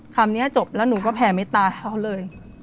คำนี้จบแล้วหนูก็แผ่เมตตาเขาเลย